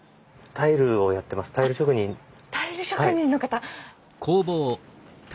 タイル職人の方。